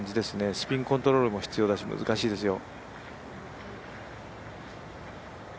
スピンコントロールも必要だし、難しいですよ。